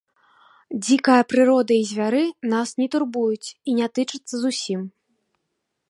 Дзікая прырода і звяры нас не турбуюць і не тычацца зусім.